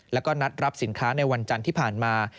แล้วก็นัดรับสินค้าในวันจันทร์ที่ผ่านมา